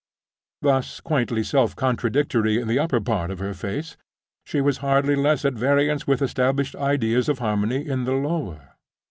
Thus quaintly self contradictory in the upper part of her face, she was hardly less at variance with established ideas of harmony in the lower.